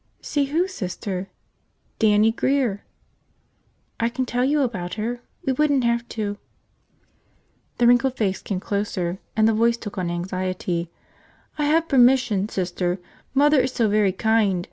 "See who, Sister?" "Dannie Grear." "I can tell you about her. We wouldn't have to ..." The wrinkled face came closer, and the voice took on anxiety. "I have permission, Sister. Mother is so very kind.